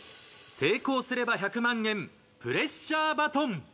成功すれば１００万円プレッシャーバトン。